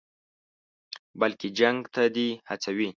بلکې جنګ ته دې هڅوي.